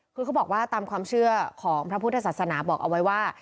คือเขาบอกว่าตามความเชื่อของพระพุทธศาสนาบอกเอาไว้ว่า